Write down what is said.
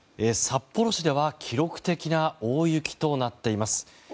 札幌市では記録的な大雪となっています。